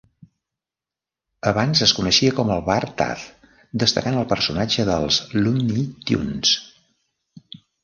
Abans es coneixia com el bar Taz, destacant el personatge dels Looney Tunes.